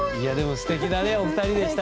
すてきなお話でした。